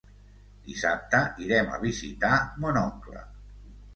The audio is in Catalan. Dissabte irem a visitar mon oncle.